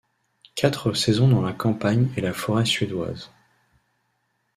Quatre saisons dans la campagne et la forêt suédoises.